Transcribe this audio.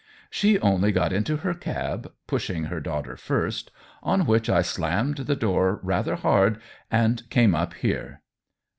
" She only got into her cab, pushing her daughter first ; on which I slammed the door rather hard and came up here.